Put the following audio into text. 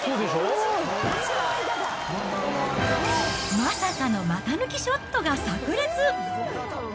まさかの股抜きショットがさく裂。